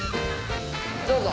どうぞ。